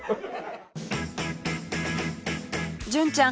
純ちゃん